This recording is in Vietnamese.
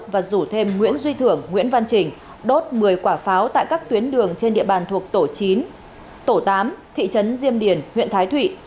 và rủ thêm nguyễn duy thưởng nguyễn văn trình đốt một mươi quả pháo tại các tuyến đường trên địa bàn thuộc tổ chín tổ tám thị trấn diêm điền huyện thái thụy